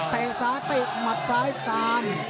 ใต่ซ้ายตีดหมัดซ้ายสาร